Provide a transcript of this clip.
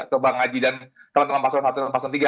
ke bang hadi dan teman teman pak sloan i dan pak sloan iii